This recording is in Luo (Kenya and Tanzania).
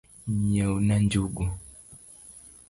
Nyiewna njungu.